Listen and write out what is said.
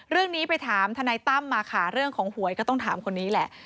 เรื่องนี้ไปถามทนายตั้มมาค่ะเรื่องของหวยก็ต้องถามคนนี้แหละ